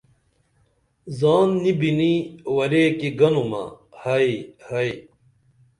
زان نی بِنی ورے کی گنُمہ ہئی ہئی